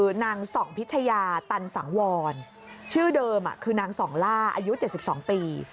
คือนางส่องพิชยาตันสังวรชื่อเดิมคือนางส่องล่าอายุ๗๒ปี